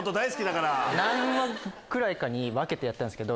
何話かに分けてやったんすけど。